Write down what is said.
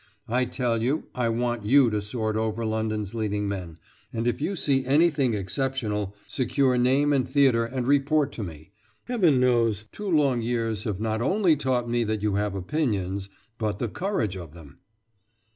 I tell you, I want you to sort over London's leading men, and, if you see anything exceptional, secure name and theatre and report to me. Heavens knows, two long years have not only taught me that you have opinions, but the courage of them!"